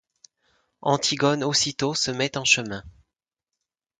Antigone aussitôt se met en chemin.